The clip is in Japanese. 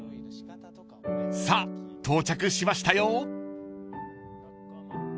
［さあ到着しましたよ］